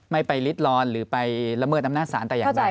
ไม่ไปริดร้อนหรือไปละเมิดอำนาจศาลแต่อย่างใด